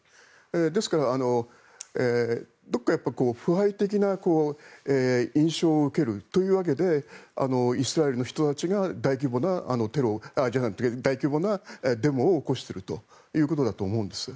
ですから、どこか腐敗的な印象を受けるというわけでイスラエルの人たちが大規模なデモを起こしているということだと思うんです。